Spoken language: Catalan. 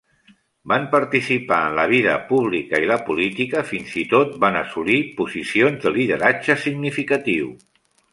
Van participar en la vida pública i la política, fins i tot van assolir posicions de lideratge significatiu.